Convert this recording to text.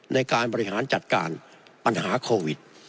ในการบริหารจัดการปัญหาโควิด